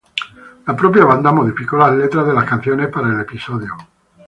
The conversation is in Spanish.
La propia banda modificó las letras de las canciones para el episodio.